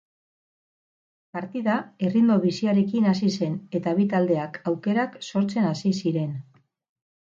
Partida erritmo biziarekin hasi zen eta bi taldeak aukerak sortzen hasi ziren.